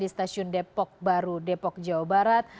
stasiun depok baru depok jawa barat